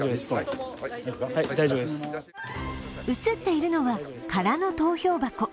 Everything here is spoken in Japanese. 映っているのは空の投票箱。